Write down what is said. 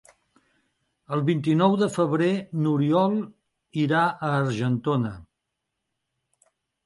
El vint-i-nou de febrer n'Oriol irà a Argentona.